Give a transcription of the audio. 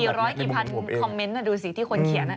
ร้อยกี่พันคอมเมนต์ดูสิที่คนเขียน